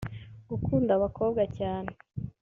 gukunda abakobwa cyane